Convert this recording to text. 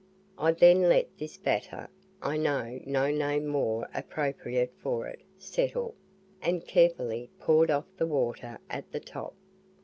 I then let this batter I know no name more appropriate for it settle, and carefully poured off the water at the top.